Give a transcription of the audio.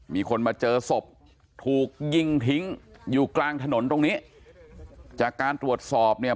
มีคนมาเจอศพถูกยิงทิ้งอยู่กลางถนนตรงนี้จากการตรวจสอบเนี่ย